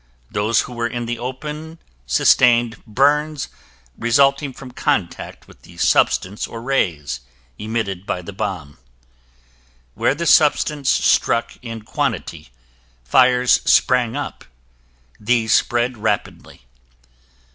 Those who were in the open sustained burns resulting from contact with the substance or rays emitted by the bomb. Where the substance struck in quantity, fires sprang up. These spread rapidly.